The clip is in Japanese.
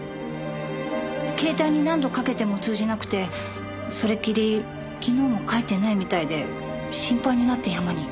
携帯に何度かけても通じなくてそれっきり昨日も帰ってないみたいで心配になって山に。